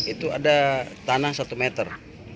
itu ada tanah satu meter